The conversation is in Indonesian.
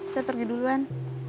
saya pergi duluan